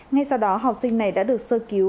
ngay sau đó học sinh này đã được sơ cứu